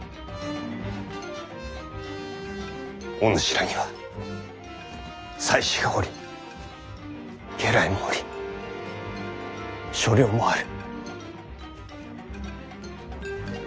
お主らには妻子がおり家来もおり所領もある。